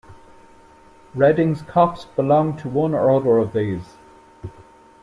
Reddings copse belonged to one or other of these.